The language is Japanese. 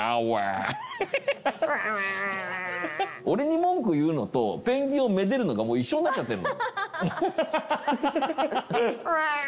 俺に文句言うのとペンギンをめでるのが一緒になっちゃってる。